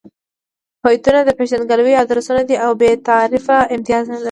هویتونه د پېژندګلوۍ ادرسونه دي او بې تعارفه امتیاز نلري.